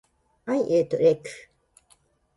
I ate egg.